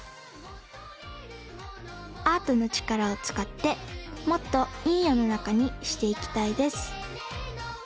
アートのちからをつかってもっといいよのなかにしていきたいです。